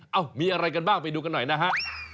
เอ้ามีอะไรกันบ้างไปดูกันหน่อยนะฮะ